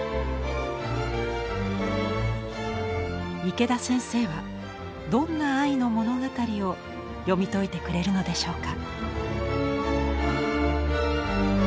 池田先生はどんな愛の物語を読み解いてくれるのでしょうか。